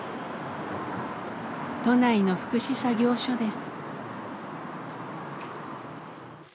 都内の福祉作業所です。